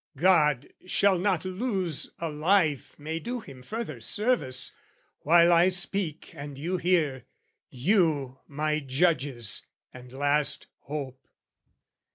God shall not lose a life May do Him further service, while I speak And you hear, you my judges and last hope!